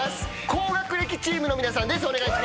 高学歴チームの皆さんです。